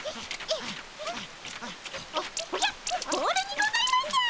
おやっボールにございます！